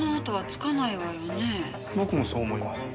僕もそう思います。